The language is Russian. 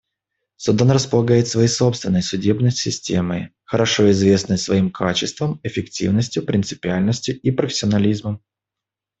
Судан располагает своей собственной судебной системой, хорошо известной своим качеством, эффективностью, принципиальностью и профессионализмом.